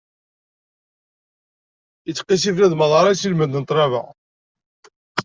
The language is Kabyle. Ittqissi bnadem aḍaṛ-is ilmend n ṭlaba.